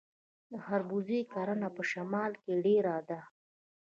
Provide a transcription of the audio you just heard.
د خربوزې کرنه په شمال کې ډیره ده.